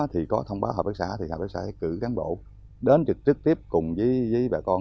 thì có thông báo hạ bắc xã thì hạ bắc xã sẽ cử cán bộ đến trực tiếp cùng với bà con